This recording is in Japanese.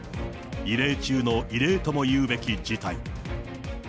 異例中の異例ともいうべき事態。